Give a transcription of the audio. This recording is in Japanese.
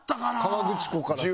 河口湖からって。